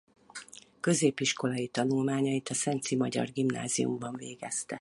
Középiskolai tanulmányait a Szenci Magyar Gimnáziumban végezte.